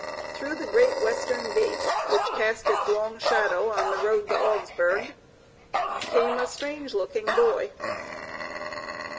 Through the great western gate, which cast its long shadow on the road to Augsburg, came a strange looking boy.